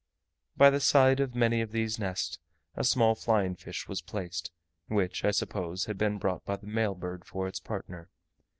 By the side of many of these nests a small flying fish was placed; which I suppose, had been brought by the male bird for its partner.